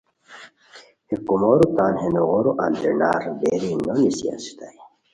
ہے کومورو تان ہے نوغورو اندرینار بیری نو نیسی اسیتائے